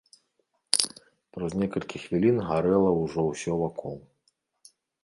Праз некалькі хвілін гарэла ўжо ўсё вакол.